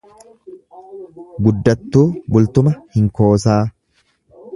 Guddattuu Bultuma Hinkoosaa